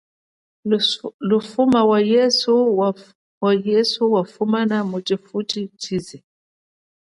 Lufuma wa yesu yafumana kweswe muchifuchichize.